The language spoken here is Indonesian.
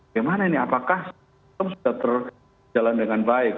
gimana ini apakah sistem sudah terjalan dengan baik